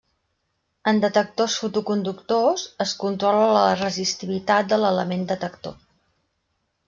En detectors fotoconductors, es controla la resistivitat de l'element detector.